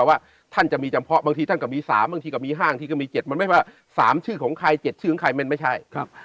ว่าท่านจะมีจำเพาะบางทีคะมีสามที่คะมี๕ที่เหลามี๗สามชื่อของใคร๗ชื่นใครไม่ใช่ครับ